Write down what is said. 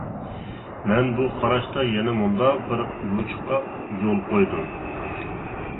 مەن بۇ قاراشتا يەنە مۇنداق بىر يوچۇققا يول قويدۇم.